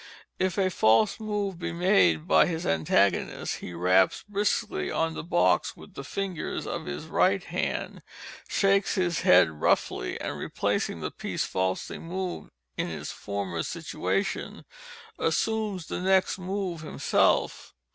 {*3} If a false move be made by his antagonist, he raps briskly on the box with the fingers of his right hand, shakes his head roughly, and replacing the piece falsely moved, in its former situation, assumes the next move himself.